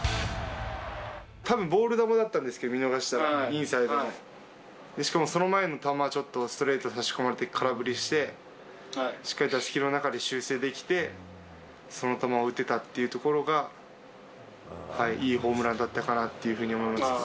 たぶん、ボール球だったんですけど、見逃したら、インサイドで、しかもその前の球はちょっとストレートに差し込まれて、空振りして、しっかり打席の中で修正できて、その球を打てたっていうところが、いいホームランだったかなっていうふうに思います。